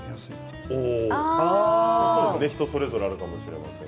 人それぞれあるかもしれません。